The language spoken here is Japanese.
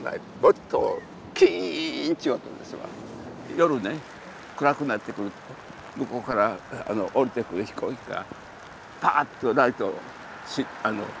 夜ね暗くなってくると向こうから降りてくる飛行機がパーッとライトつく。